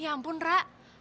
ya ampun ra